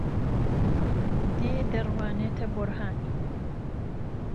دێ دهروانێته بورهانی